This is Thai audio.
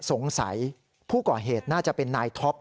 สงสัยผู้ก่อเหตุน่าจะเป็นนายท็อป